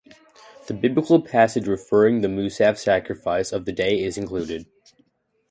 The biblical passage referring to the Mussaf sacrifice of the day is included.